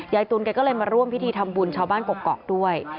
ตุลแกก็เลยมาร่วมพิธีทำบุญชาวบ้านกกอกด้วย